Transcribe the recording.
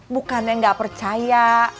bukannya gak percaya